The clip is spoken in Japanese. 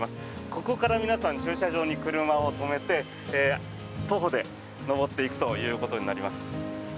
ここから皆さん、駐車場に車を止めて徒歩で登っていくということになります。